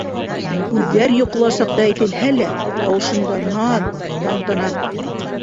Һүҙҙәр йоҡола саҡта әйтелһә лә, тауышында - наҙ, тантана.